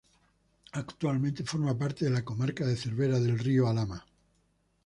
Actualmente forma parte de la Comarca de Cervera del Río Alhama.